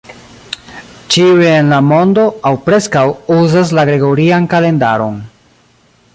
Ĉiuj en la mondo, aŭ preskaŭ, uzas la gregorian kalendaron.